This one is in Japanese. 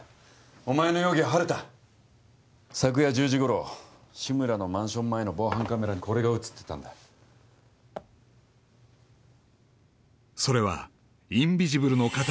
お前の容疑は晴れた昨夜１０時ごろ志村のマンション前の防犯カメラにこれが写ってたんだそれはの